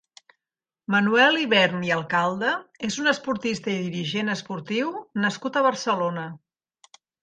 Manuel Ibern i Alcalde és un esportista i dirigent esportiu nascut a Barcelona.